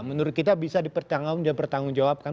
menurut kita bisa dipertanggungjawabkan